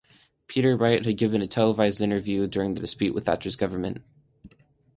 Peter Wright had given a televised interview during the dispute with Thatcher's government.